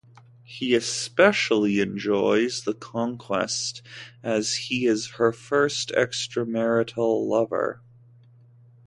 He especially enjoys the conquest as he is her first extramarital lover.